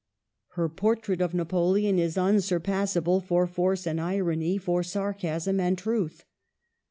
Her portrait of Napo leon is unsurpassable for force and irony, for sarcasm and truth.